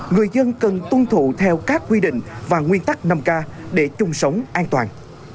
người dân cần tuân thủ theo các quy định và nguyên tắc năm k để chung sống an toàn